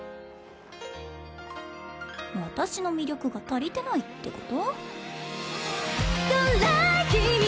私の魅力が足りてないってこと？